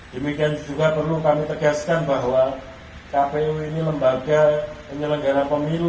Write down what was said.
demikian juga perlu kami tegaskan bahwa kpu ini lembaga penyelenggara pemilu